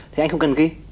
thì anh không cần ghi